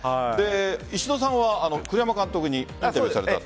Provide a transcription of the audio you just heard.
石戸さんは栗山監督にインタビューされた。